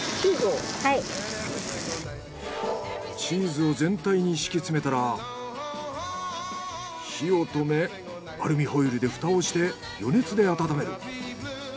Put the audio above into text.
チーズを全体に敷き詰めたら火を止めアルミホイルでフタをして余熱で温める。